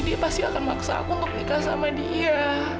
dia pasti akan maksa aku untuk nikah sama dia